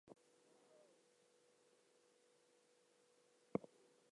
Leak and Company Limited, of London, England.